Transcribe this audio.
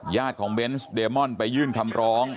ญาติของเบนส์เดมอนไปยื่นคำร้อง